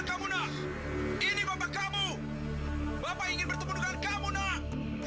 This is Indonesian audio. kamu nak ini bapak kamu bapak ingin bertemu dengan kamu nak